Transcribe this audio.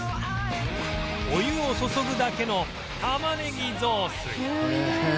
お湯を注ぐだけのたまねぎぞうすい